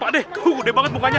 pak deh udah banget mukanya